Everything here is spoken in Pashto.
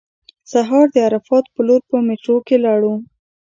سهار د عرفات په لور په میټرو کې ولاړو.